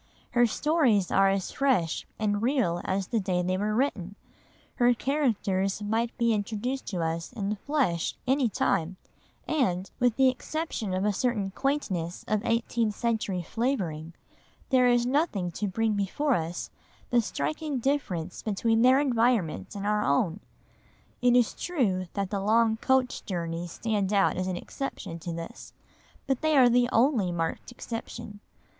Her stories are as fresh and real as the day they were written, her characters might be introduced to us in the flesh any time, and, with the exception of a certain quaintness of eighteenth century flavouring, there is nothing to bring before us the striking difference between their environment and our own. It is true that the long coach journeys stand out as an exception to this, but they are the only marked exception.